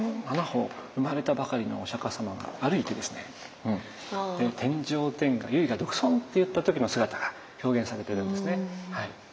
７歩生まれたばかりのお釈様が歩いてですね「天上天下唯我独尊」って言った時の姿が表現されてるんですねはい。